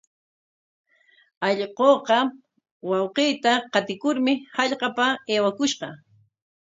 Allquuqa wawqiita qatikurmi hallqapa aywakushqa.